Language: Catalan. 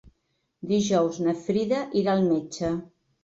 Dijous na Frida irà al metge.